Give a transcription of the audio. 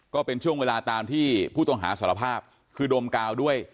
ก็เป็นช่วงเวลาตามที่ผู้ต้องหาสารภาพคือดมกาวด้วย